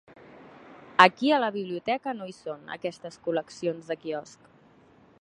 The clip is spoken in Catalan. Aquí a la biblioteca no hi són, aquestes col·leccions de quiosc.